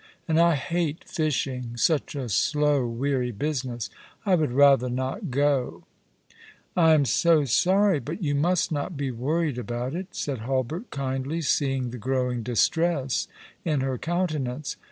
And I hate fishing— such a slow weary business. I would rather not go." " I am so sorry ; but you must not be worried about it," 156 All along the River, said Hulbert, kindly, seeing the growing distress in her coun tenance.